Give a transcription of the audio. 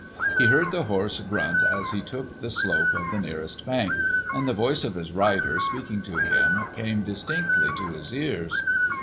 He heard the horse grunt as he took the slope of the nearer bank, and the voice of his rider speaking to him came distinctly to his ears.